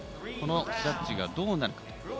このジャッジがどうなるか。